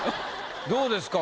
どうですか？